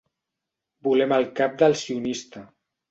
Volem el cap del sionista.